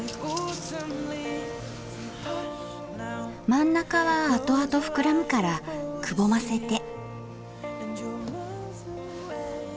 真ん中はあとあと膨らむからくぼませて。